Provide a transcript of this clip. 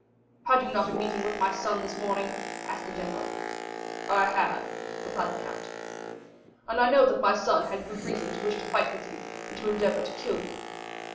"Had you not a meeting with my son this morning?" asked the general. "I had," replied the count. "And I know my son had good reasons to wish to fight with you, and to endeavor to kill you."